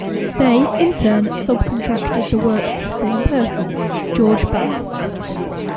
They in turn sub-contracted the work to the same person, George Bass.